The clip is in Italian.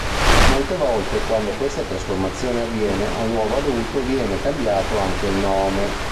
Molte volte quando questa trasformazione avviene al nuovo adulto viene cambiato anche il nome.